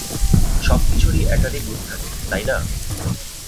সবকিছুর-ই একাধিক রূপ থাকে, তাই না?